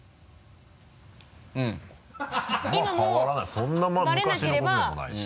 そんな昔のことでもないし。